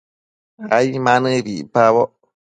ai ma nëbi icpaboc